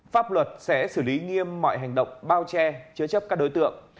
pháp luật sẽ xử lý nghiêm mọi hành động bao che chứa chấp các đối tượng